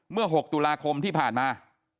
เมื่อ๖ตุลาคมที่ผ่านมา